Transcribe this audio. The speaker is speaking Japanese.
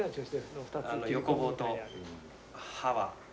横棒と刃は。